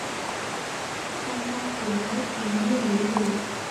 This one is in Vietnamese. Trăm năm còn mãi tình mưa nhớ đầy...